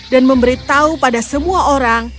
memberitahu pada semua orang